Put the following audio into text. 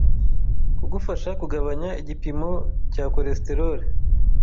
Kugufasha kugabanya igipimo cya cholesterol